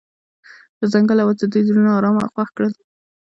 د ځنګل اواز د دوی زړونه ارامه او خوښ کړل.